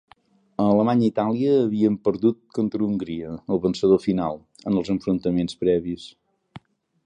Alemanya i Itàlia havien perdut contra Hongria, el vencedor final, en els enfrontaments previs.